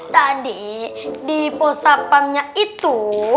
tadi di pos sapangnya itu